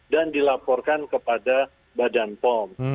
dan dilaporkan kepada badan pom